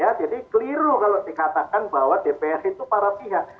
ya jadi keliru kalau dikatakan bahwa dpr itu para pihak